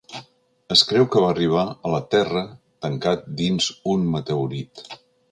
Es creu que va arribar a la Terra tancat dins un meteorit.